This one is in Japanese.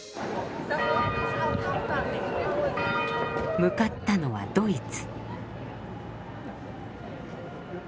向かったのはドイツ。